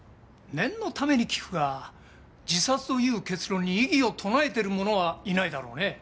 念のために聞くが自殺という結論に異議を唱えてる者はいないだろうね？